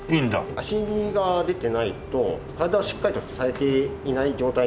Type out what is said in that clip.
足指が出てないと体をしっかりと支えていない状態になるので。